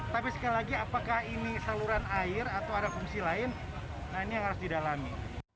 tapi sekali lagi apakah ini saluran air atau ada fungsi lain nah ini yang harus didalami